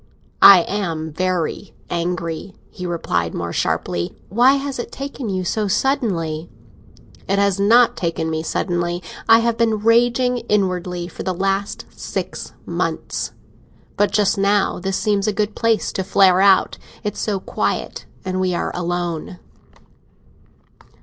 "I am very angry," he replied, more sharply. "Why has it taken you so suddenly?" "It has not taken me suddenly. I have been raging inwardly for the last six months. But just now this seemed a good place to flare out. It's so quiet, and we are alone."